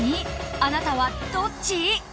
あなたはどっち？